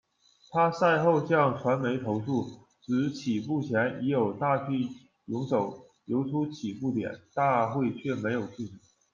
她赛后向传媒投诉，指起步前已有大批泳手游出起步点，大会却没制止。